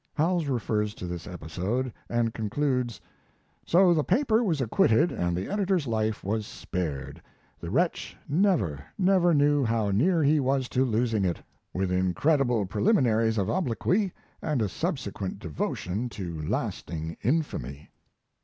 Howells refers to this episode, and concludes: So the paper was acquitted and the editor's life was spared. The wretch never, never knew how near he was to losing it, with incredible preliminaries of obloquy, and a subsequent devotion to lasting infamy.